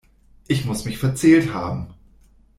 Ich muss mich verzählt haben.